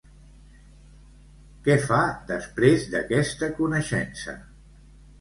Què fa després d'aquesta coneixença?